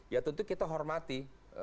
ya tentu kita hormati